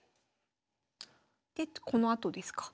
でこのあとですか。